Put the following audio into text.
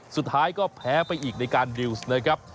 สุดท้ายก็แพ้ไปอีกในการดิวส์นะครับ